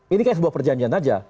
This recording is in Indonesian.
ini kayak sebuah perjanjian aja